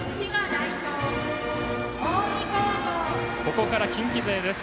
ここから近畿勢です。